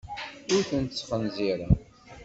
Ur tent-sxenzireɣ.